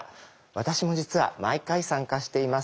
私も実は毎回参加しています。